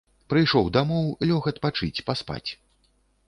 Прыйшоў дамоў, лёг адпачыць, паспаць.